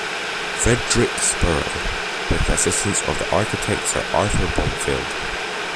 Frederick Spurrell, with the assistance of the architect Sir Arthur Blomfield.